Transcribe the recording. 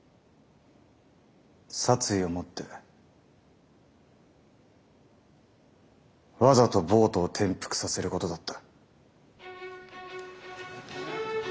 殺意をもってわざとボートを転覆させることだった。